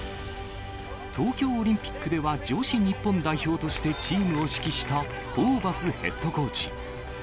東京オリンピックでは女子日本代表としてチームを指揮したホーバスヘッドコーチ。